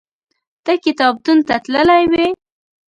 ته کتابتون ته تللی وې؟